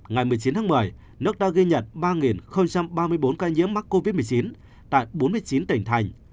ngày một mươi chín tháng một mươi nước đã ghi nhận ba ba mươi bốn ca nhiễm covid một mươi chín tại bốn mươi chín tỉnh thành